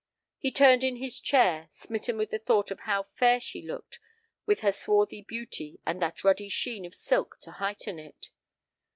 He turned in his chair, smitten with the thought of how fair she looked with her swarthy beauty and that ruddy sheen of silk to heighten it.